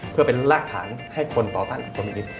เพื่อเป็นรากฐานให้คนต่อตั้นขึ้นิน